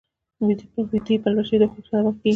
ویده پلوشې د خوب سبب کېږي